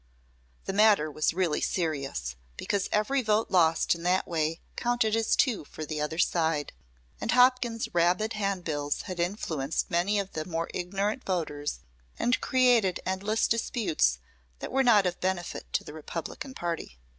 The matter was really serious, because every vote lost in that way counted as two for the other side, and Hopkins's rabid hand bills had influenced many of the more ignorant voters and created endless disputes that were not of benefit to the Republican party.